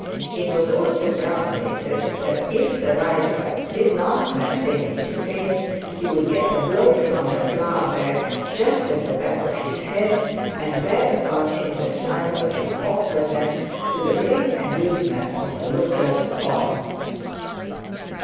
It was also calculated that if the rider did not maintain his pace, he would get a blow from the flour bag just at the back of his head, and bear about him the signs of his awkwardness to the great amusement of the lookers on.